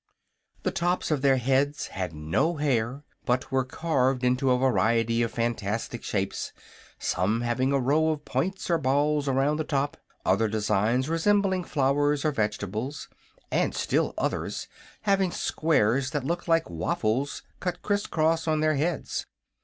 The tops of their heads had no hair, but were carved into a variety of fantastic shapes, some having a row of points or balls around the top, other designs resembling flowers or vegetables, and still others having squares that looked like waffles cut criss cross on their heads.